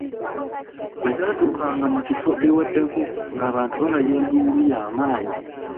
Bwe zaatuukanga mu kifo ewaddako ng'abantu balaya enduulu ya maanyi.